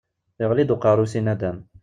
Iɣli-d uqerru-w si naddam.